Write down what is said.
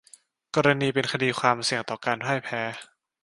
กรณีเป็นคดีความเสี่ยงต่อการพ่ายแพ้